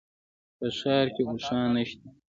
په ښار کي اوښان نشته